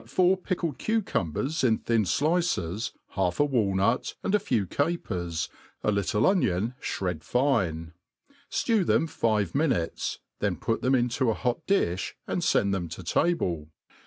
four pickled cucumJSers in thin dices, half a walnut, and a few capers, a little onion ihred very fine ; ftew them five ifiinutes, then put them into a hot difl], and ^end them to table.